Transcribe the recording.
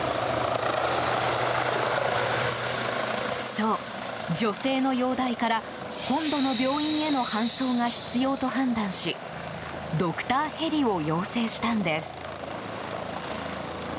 そう、女性の容体から本土の病院への搬送が必要と判断しドクターヘリを要請したんです。